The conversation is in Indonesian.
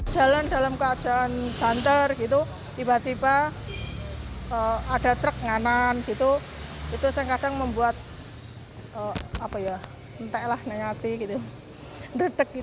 jalan dalam keajaan banter tiba tiba ada truk nganan itu kadang kadang membuat entek lah nangati redek